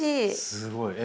すごいえ？